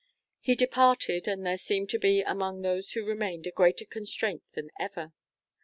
He departed, and there seemed to be among those who remained a greater constraint than ever.